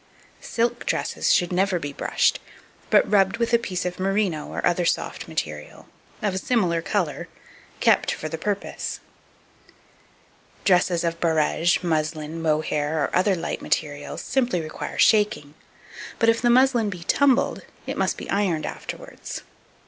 Silk dresses should never be brushed, but rubbed with a piece of merino, or other soft material, of a similar colour, kept for the purpose. Summer dresses of barège, muslin, mohair, and other light materials, simply require shaking; but if the muslin be tumbled, it must be ironed afterwards.